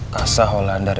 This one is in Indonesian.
kasah holander ya